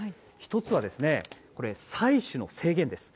１つは採取の制限です。